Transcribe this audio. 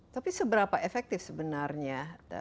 tapi seberapa efektif sebenarnya